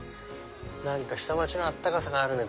下町の温かさがあるね